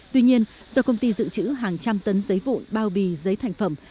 tuy nhiên do công ty dự trữ hàng trăm tấn giấy vụn bao bì giấy thành phẩm